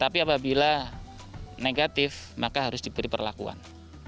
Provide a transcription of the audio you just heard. tapi apabila negatif maka harus diberi perlakuan